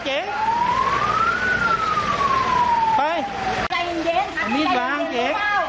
เอามีดวางเจ๊